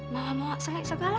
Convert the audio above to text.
mau mauak selai segala